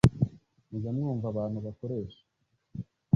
mujya mwumva abantu bakoresha.